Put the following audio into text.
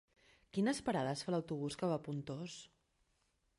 Quines parades fa l'autobús que va a Pontós?